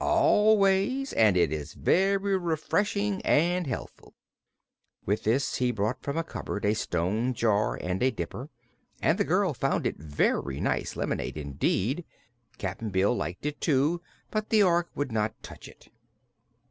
"Always; and it is very refreshing and healthful." With this he brought from a cupboard a stone jar and a dipper, and the girl found it very nice lemonade, indeed. Cap'n Bill liked it, too; but the Ork would not touch it.